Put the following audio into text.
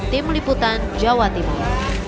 tim liputan jawa timur